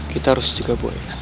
kita harus juga boy